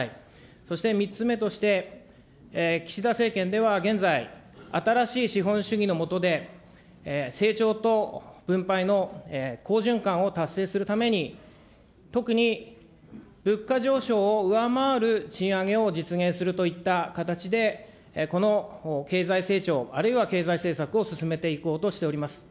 そして３つ目として、岸田政権では現在、新しい資本主義の下で成長と分配の好循環を達成するために、特に物価上昇を上回る賃上げを実現するといった形で、この経済成長、あるいは経済政策を進めていこうとしております。